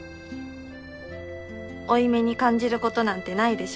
負い目に感じることなんてないでしょ？